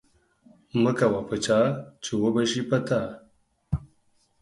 مه کوه په چا، چی وبه شي په تا